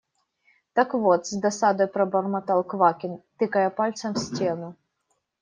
– Так вот… – с досадой пробормотал Квакин, тыкая пальцем в стену.